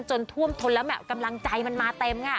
จนท่วมทนแล้วกำลังใจมันมาเต็ม